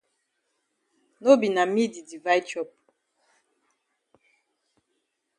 No be na me di divide chop.